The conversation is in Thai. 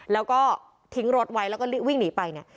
แล้วก็ทิ้งรถไว้แล้วก็วิ่งหนีไปเนี่ย